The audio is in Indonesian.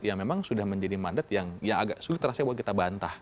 ya memang sudah menjadi mandat yang agak sulit rasanya buat kita bantah